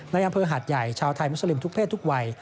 ในอำเภอหาดใหญ่ชาวไทยมุสลิมทุกเพศทุกวัย